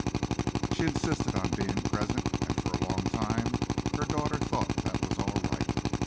She insisted on being present and for a long time her daughter thought that was all right.